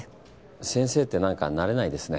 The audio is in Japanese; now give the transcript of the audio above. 先生って何か慣れないですね。